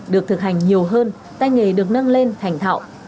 được thực hành nhiều hơn tay nghề được nâng lên thành thạo